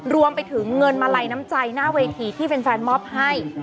รวมไปถึงเงินมาลัยน้ำใจหน้าเวทีที่แฟนมอบให้